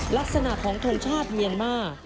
ลักษณะของทงชาติเมียนมาร์